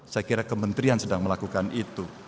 saya kira kementerian sedang melakukan itu